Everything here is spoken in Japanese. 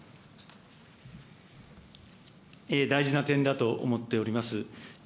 大事な点だと思っております。